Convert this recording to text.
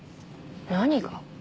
何が？